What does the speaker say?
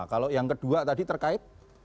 kalau yang kedua tadi terkait